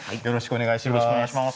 よろしくお願いします。